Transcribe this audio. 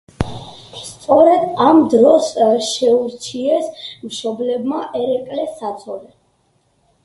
სწორედ ამ დროს შეურჩიეს მშობლებმა ერეკლეს საცოლე.